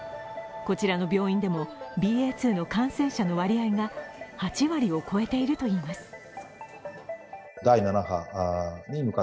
こちらの病院でも、ＢＡ．２の感染者のの割合が８割を超えているといいます。